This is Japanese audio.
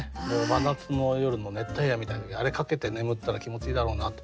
真夏の夜の熱帯夜みたいな時にあれ掛けて眠ったら気持ちいいだろうなと。